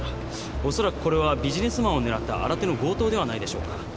おそらくこれはビジネスマンを狙った新手の強盗ではないでしょうか。